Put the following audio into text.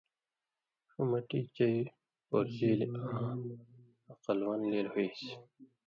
سُو مَٹی چَئی پُورژیلیۡ آں ہقل وَن لِیل ہُوئسیۡ،